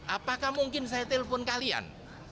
apakah mungkin saya telpon kalian